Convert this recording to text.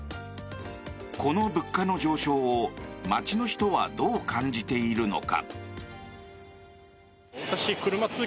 この物価の上昇を街の人はどう感じているのか。